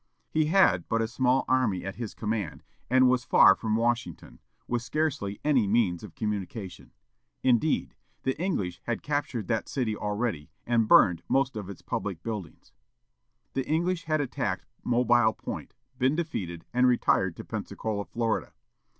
He had but a small army at his command, and was far from Washington, with scarcely any means of communication. Indeed, the English had captured that city already, and burned most of its public buildings. The English had attacked Mobile Point, been defeated, and retired to Pensacola, Florida.